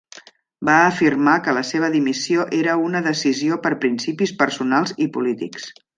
Va afirmar que la seva dimissió era "una decisió per principis personals i polítics".